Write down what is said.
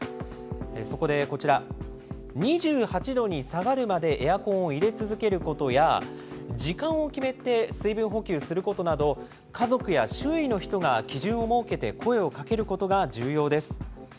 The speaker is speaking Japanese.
そこでこちら、２８度に下がるまでエアコンを入れ続けることや、時間を決めて水分補給することなど、家族や周囲の人が基準を設けて声をかけることが重要です。